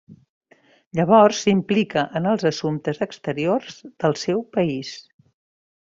Llavors, s'implica en els assumptes exteriors del seu país.